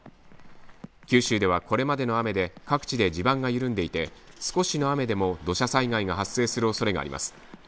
九州では、これまでの雨で各地で地盤が緩んでいて少しの雨でも土砂災害が発生するおそれがあります。